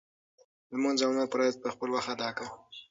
لمونځ او نور فرایض په خپل وخت ادا کړه.